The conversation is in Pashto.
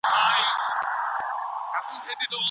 په لاس لیکلنه د لوبو په څیر په زړه پوري کیدای سي.